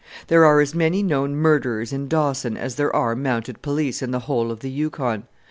"There are as many known murderers in Dawson as there are mounted police in the whole of the Yukon.